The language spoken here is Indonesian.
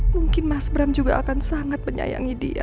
mungkin mas bram juga akan sangat menyayangi dia